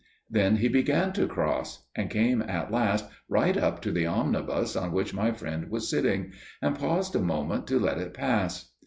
Then he began to cross, and came at last right up to the omnibus on which my friend was sitting, and paused a moment to let it pass.